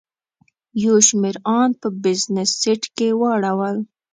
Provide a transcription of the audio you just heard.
یو شمېر ان په بزنس سیټ کې واړول.